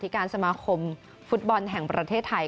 การสมาคมฟุตบอลแห่งประเทศไทย